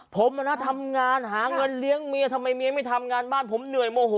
ผมทำงานหาเงินเลี้ยงเมียทำไมเมียไม่ทำงานบ้านผมเหนื่อยโมโห